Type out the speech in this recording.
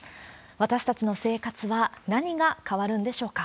私たちの生活は何が変わるんでしょうか。